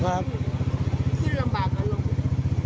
ขึ้นลำบากกันลง